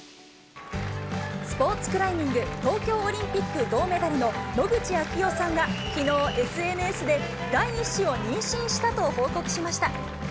スポーツクライミング東京オリンピック銅メダルの野口啓代さんが、きのう、ＳＮＳで第１子を妊娠したと報告しました。